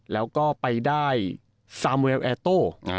แล้วก็ไปได้ซาเมลแอร์โต้